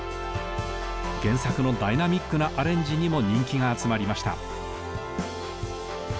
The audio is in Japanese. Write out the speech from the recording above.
原作のダイナミックなアレンジにも人気が集まりました。